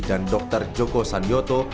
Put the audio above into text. dan dr joko sanyoto